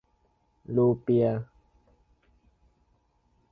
รูเปียห์